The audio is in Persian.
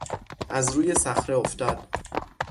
از روی صخره افتاد.